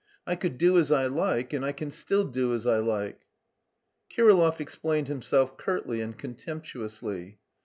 I could do as I like and I can still do as I like." Kirillov explained himself curtly and contemptuously.